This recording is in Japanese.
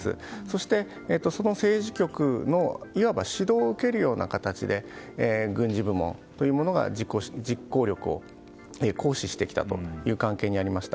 そして、その政治局のいわば指導を受けるような形で軍事部門が実行力を行使してきたという関係にありました。